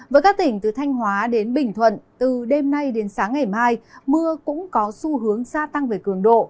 với các tỉnh từ thanh hóa đến bình thuận từ đêm nay đến sáng ngày mai mưa cũng có xu hướng gia tăng về cường độ